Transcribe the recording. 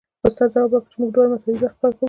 استاد ځواب ورکړ چې موږ دواړه مساوي وخت کار کوو